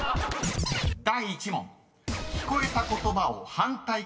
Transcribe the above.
［第１問］